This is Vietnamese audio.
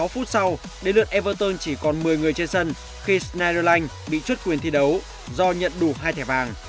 sáu phút sau đến lượt everton chỉ còn một mươi người trên sân khi sneijderland bị chốt quyền thi đấu do nhận đủ hai thẻ vàng